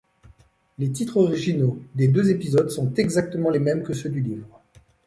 Les titre originaux des deux épisodes sont exactement les mêmes que ceux du livre.